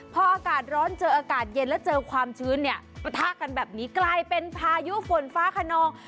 พออากาศร้อนเจออากาศเย็นแล้วเจอความชื้นเนี่ยปะทะกันแบบนี้กลายเป็นพายุฝนฟ้าขนอง